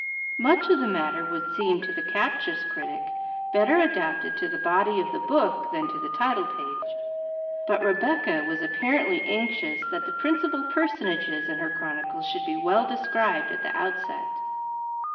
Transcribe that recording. Much of the matter would seem to the captious critic better adapted to the body of the book than to the title page, but Rebecca was apparently anxious that the principal personages in her chronicle should be well described at the outset.